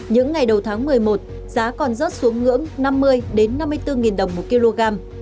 những ngày đầu tháng một mươi một giá còn rớt xuống ngưỡng năm mươi năm mươi bốn đồng một kg